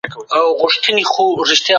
هغه متوازن خواړه خوري.